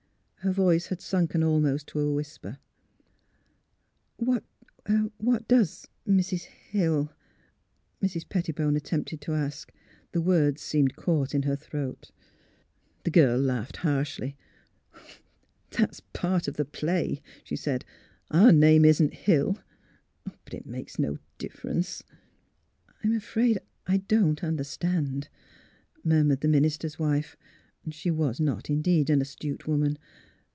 " Her voice had sunken almost to a whisper. ''What— what does Mrs. Hill " Mrs. Pet tibone attempted to ask. The words seemed caught in her throat. The girl laughed harshly, " That's a part of the play," she said: " our name isn't Hill. But it makes no ditference." " I — I'm afraid I don't understand," mur mured the minister's wife. She was not, indeed, an astute woman.